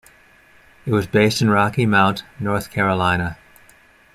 It was based in Rocky Mount, North Carolina.